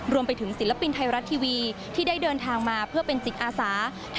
รวมไปถึงศิลปินไทยรัฐทีวีที่ได้เดินทางมาเพื่อเป็นจิตอศาสตร์